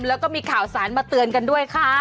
แล้วก็มีข่าวสารมาเตือนกันด้วยค่ะ